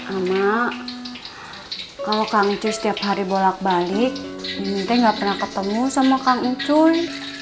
ama kalau kang itu setiap hari bolak balik minta nggak pernah ketemu sama kang uncun